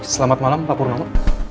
selamat malam pak purnomo